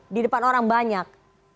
di depan orang banyak